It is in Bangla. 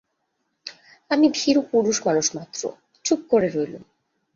আমি ভীরু পুরুষমানুষ মাত্র, চুপ করে রইলুম।